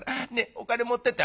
お金持ってって」。